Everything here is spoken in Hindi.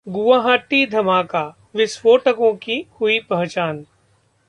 गुवाहाटी धमाका: विस्फोटकों की हुई पहचान